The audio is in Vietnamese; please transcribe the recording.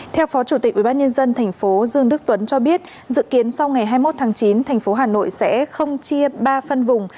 theo phó chủ tịch ubnd tp dương đức tuấn cho biết dự kiến sau ngày hai mươi một tháng chín thành phố hà nội sẽ không chia ba phân vùng